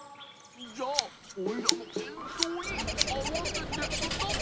じゃオイラのえんそうにあわせてうたって！